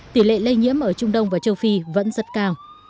tỷ lệ lây nhiễm ở trung đông và châu phi vẫn rất cao